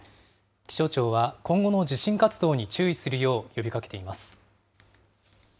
気象庁は今後の地震活動に注意するよう呼びかけています。